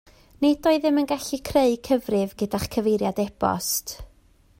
Nid oeddem yn gallu creu cyfrif gyda'ch cyfeiriad e-bost